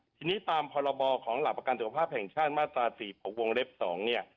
ทีนี้ตามพรบของหลักประกันสุขภาพแห่งชาติมาตรา๔๖วงเล็บ๒เนี่ย